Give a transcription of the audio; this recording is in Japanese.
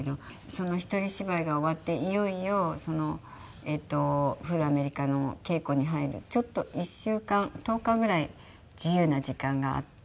その一人芝居が終わっていよいよ『ふるあめりか』の稽古に入るちょっと１週間１０日ぐらい自由な時間があって。